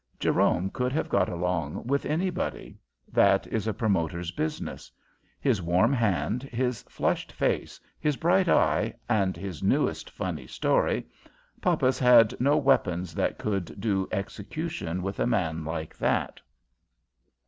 Jerome could have got along with anybody; that is a promoter's business. His warm hand, his flushed face, his bright eye, and his newest funny story, Poppas had no weapons that could do execution with a man like that.